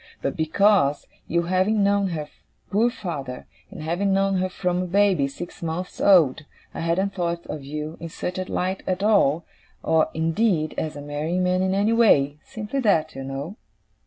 but because, you having known her poor father, and having known her from a baby six months old, I hadn't thought of you in such a light at all, or indeed as a marrying man in any way, simply that, you know.